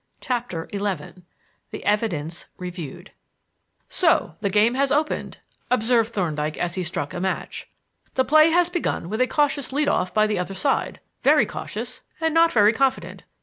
CHAPTER XI THE EVIDENCE REVIEWED "So the game has opened," observed Thorndyke, as he struck a match. "The play has begun with a cautious lead off by the other side. Very cautious and not very confident."